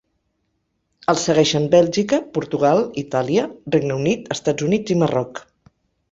El segueixen Bèlgica, Portugal, Itàlia, Regne Unit, Estats Units i Marroc.